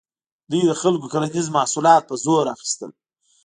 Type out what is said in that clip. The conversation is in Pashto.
دوی د خلکو کرنیز محصولات په زور اخیستل.